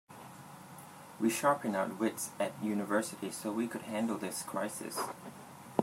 We sharpened our wits at university so we could handle this crisis.